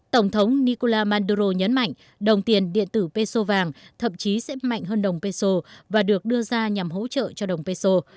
tổng thống nicolás maduro nhấn mạnh đồng tiền điện tử petrovàng thậm chí sẽ mạnh hơn đồng petro và được đưa ra nhằm hỗ trợ cho đồng petro